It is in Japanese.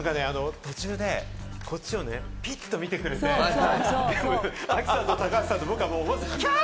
途中ね、こっちをピッと見てくれて、亜希さんと高橋さんと僕はキャー！